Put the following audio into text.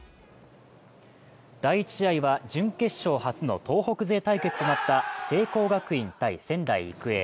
第１試合は準決勝初の東北勢対決となった聖光学院×仙台育英。